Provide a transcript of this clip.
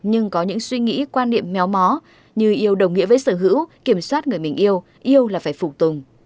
nhưng có những suy nghĩ quan niệm méo mó như yêu đồng nghĩa với sở hữu kiểm soát người mình yêu yêu là phải phục tùng